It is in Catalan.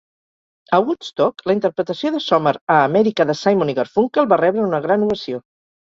A Woodstock, la interpretació de Sommer a "America" de Simon i Garfunkel va rebre una gran ovació.